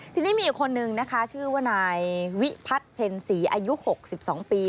ทีนี้มีอีกคนนึงนะคะชื่อว่านายวิพัฒน์เพ็ญศรีอายุ๖๒ปี